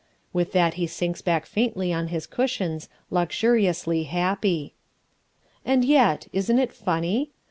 With that he sinks back faintly on his cushions, luxuriously happy. And yet, isn't it funny?